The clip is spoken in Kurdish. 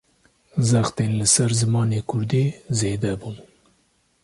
Zextên li ser zimanê Kurdî, zêde bûn